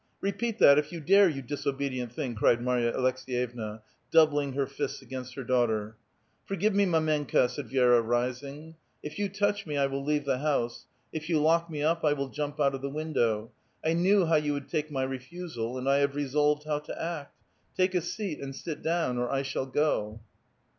Repeat that if you dare, you disobedient thing !cried Marya Aleks^yevna, doubling lier fists against her daughter. "Forgive me, mdinenka^" said Vi^ra, rising; "if you touch me, I will leave the house ; if you lock me up, I will jump out of the window. I knew how you would take my refusal, and I have resolved how to act. Take a seat, and sit down, or I shall go."